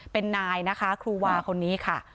เป็นนายนะคะครูวาคนนี้ค่ะ